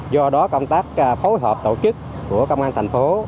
do đó công tác phối hợp tổ chức của công an thành phố